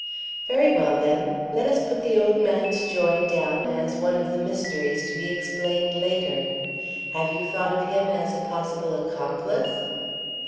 "Very well, then, let us put the old man's joy down as one of the mysteries to be explained later. Have you thought of him as a possible accomplice?"